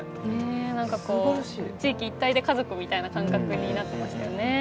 何かこう地域一体で家族みたいな感覚になってましたよね。